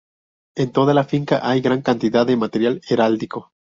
En toda la finca hay gran cantidad de material heráldico.